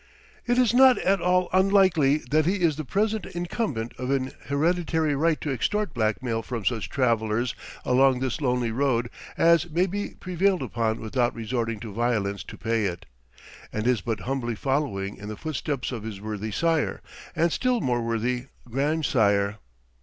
It is not at all unlikely that he is the present incumbent of an hereditary right to extort blackmail from such travellers along this lonely road as may be prevailed upon without resorting to violence to pay it, and is but humbly following in the footsteps of his worthy sire and still more worthy grandsire.